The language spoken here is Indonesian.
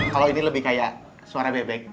kalau ini lebih kayak suara bebek